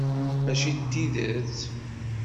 Mačči d tidet?